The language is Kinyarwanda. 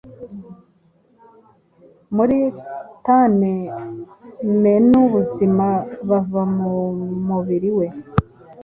muri thanemenubuzima buva mu mubiri we